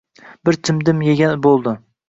Bir chimdim yegan bo‘ldi.